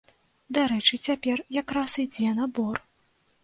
Дарэчы, цяпер якраз ідзе набор.